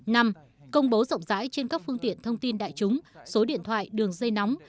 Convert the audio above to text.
năm công bố rộng rãi trên các phương tiện thông tin đại chúng số điện thoại đường dây nóng